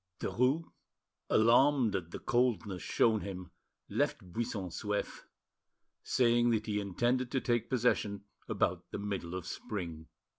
Derues, alarmed at the coldness shown him, left Buisson Souef, saying that he intended to take possession about the middle of spring.